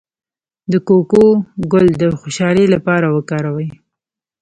د کوکو ګل د خوشحالۍ لپاره وکاروئ